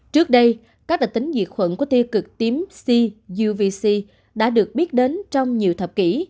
trước đây các đặc tính diệt khuẩn của tiêu cực tím c uvc đã được biết đến trong nhiều thập kỷ